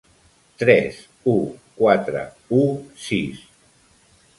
Tres, u, quatre, u, sis!